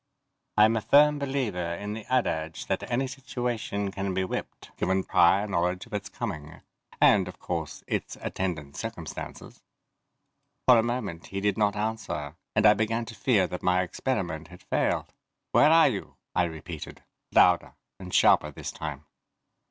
I'm a firm believer in the adage that any situation can be whipped, given prior knowledge of its coming and, of course, its attendant circumstances. For a moment he did not answer and I began to fear that my experiment had failed. "Where are you?" I repeated, louder and sharper this time.